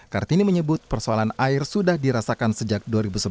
kartini menyebut persoalan air sudah dirasakan sejak dua ribu sebelas